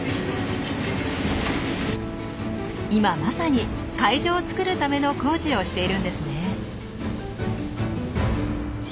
今まさに会場を作るための工事をしているんですね。